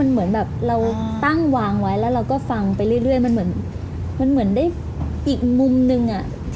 มันเหมือนเราตั้งวางไว้แล้วฟังไปเรื่อยเหมือนได้อีกมุมนึง